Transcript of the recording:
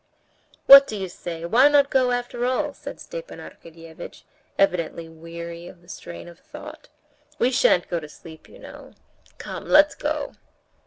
"What do you say, why not go after all?" said Stepan Arkadyevitch, evidently weary of the strain of thought. "We shan't go to sleep, you know. Come, let's go!"